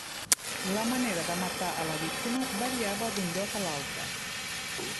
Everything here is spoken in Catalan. La manera de matar a la víctima variava d'un lloc a altra.